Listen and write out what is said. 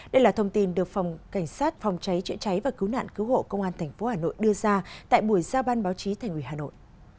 đây là thông tin được phòng cảnh sát phòng cháy chữa cháy và cứu nạn cứu hộ công an tp hà nội đưa ra tại buổi giao ban báo chí thành ủy hà nội